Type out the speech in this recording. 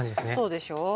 そうでしょう。